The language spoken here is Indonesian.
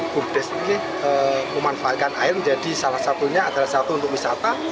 bumdes ini memanfaatkan air menjadi salah satunya adalah satu untuk wisata